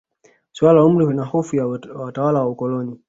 Suala la umri na hofu ya watawala wa ukoloni